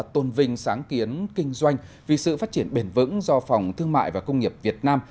tôn vinh sáng kiến kinh doanh vì sự phát triển bền vững do phòng thương mại và công nghiệp việt nam